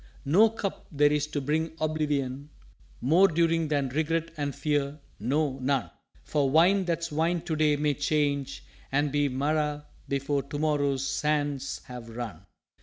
_" "No Cup there is to bring oblivion More during than Regret and Fear no, none! For Wine that's Wine to day may change and be Marah before to morrow's Sands have run."